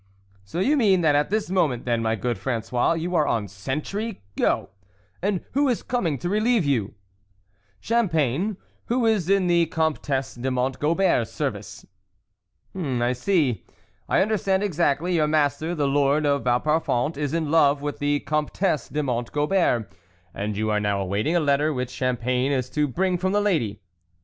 THE WOLF LEADER " So you mean that at this moment then, my good Fra^ois, you are on sentry go ? And who is coming to relieve you "" Champagne, who is in the Comtesse de Mont Gobert's service." " I see ; I understand exactly. Your master, the Lord of Vauparfond, is in love with the Comtesse de Mont Gobert, and you are now awaiting a letter which Champagne is to bring from the lady."